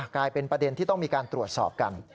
กลายเป็นประเด็นที่ต้องมีการตรวจสอบกัน